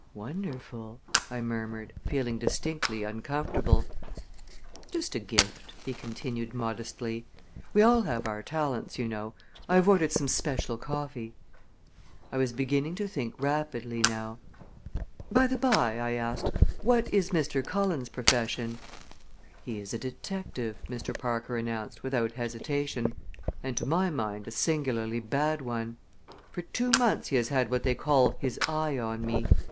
"Wonderful!" I murmured, feeling distinctly uncomfortable. "Just a gift!" he continued modestly. "We all have our talents, you know. I have ordered some special coffee." I was beginning to think rapidly now. "By the by," I asked, "what is Mr. Cullen's profession?" "He is a detective," Mr. Parker answered, without hesitation; "and, to my mind, a singularly bad one. For two months he has had what they call his eye on me.